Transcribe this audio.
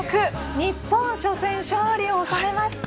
日本、初戦勝利を収めました。